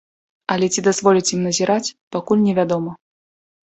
Але ці дазволяць ім назіраць, пакуль невядома.